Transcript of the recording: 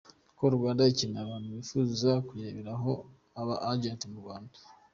Call Rwanda ikeneye abantu bifuza kuyibera aba Agents mu ntara.